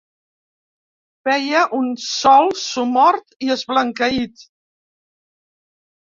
Feia un sol somort i esblanqueït.